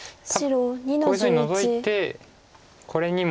こういうふうにノゾいてこれにも。